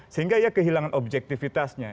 sehingga ya kehilangan objektifitasnya